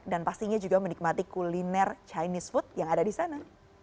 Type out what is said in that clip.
dan pastinya juga menikmati kuliner chinese food yang ada di sana